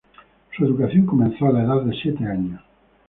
Su educación comenzó a la edad de siete años.